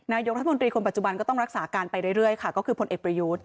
นายกรัฐมนตรีคนปัจจุบันก็ต้องรักษาการไปเรื่อยค่ะก็คือพลเอกประยุทธ์